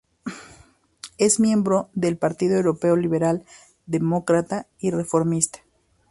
Es miembro del Partido Europeo Liberal, Demócrata y Reformista.